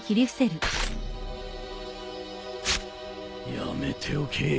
やめておけ。